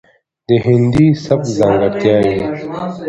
،دهندي سبک ځانګړتياوې،